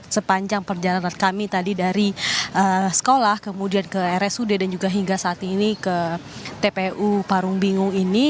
sepanjang perjalanan kami tadi dari sekolah kemudian ke rsud dan juga hingga saat ini ke tpu parung bingu ini